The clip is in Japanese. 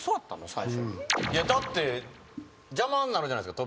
最初いやだって邪魔になるじゃないですか